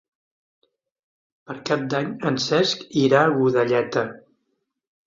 Per Cap d'Any en Cesc irà a Godelleta.